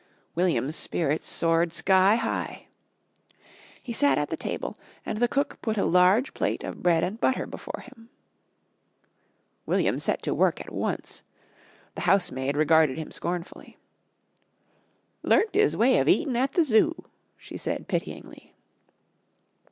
William's spirits soared sky high. He sat at the table and the cook put a large plate of bread and butter before him. William set to work at once. The house maid regarded him scornfully. "Learnt 'is way of eatin' at the Zoo," she said pityingly.